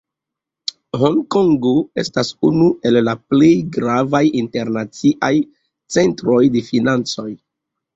Honkongo estas unu el la plej gravaj internaciaj centroj de financoj.